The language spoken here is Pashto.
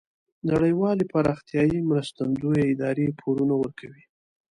نړیوالې پراختیایې مرستندویه ادارې پورونه ورکوي.